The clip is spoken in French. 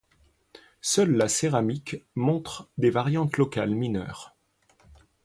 Seule la céramique montre des variantes locales mineures.